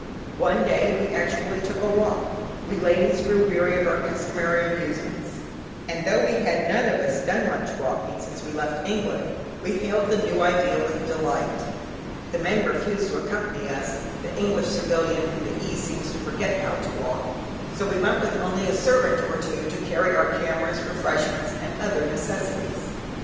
One day we actually took a walk. We ladies grew weary of our customary amusements, and though we had none of us done much walking since we left England, we hailed the new idea with delight. The men refused to accompany us (the English civilian in the East seems to forget how to walk) so we went with only a servant or two to carry our cameras, refreshments, and other necessities.